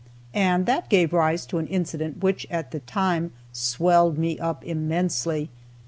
And that gave rise to an incident which, at the time, swelled me up immensely.